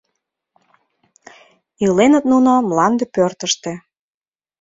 Иленыт нуно мланде пӧртыштӧ